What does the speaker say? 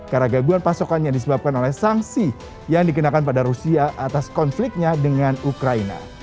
karena gaguan pasokan yang disebabkan oleh sanksi yang dikenakan pada rusia atas konfliknya dengan ukraina